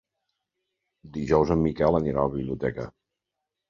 Dijous en Miquel anirà a la biblioteca.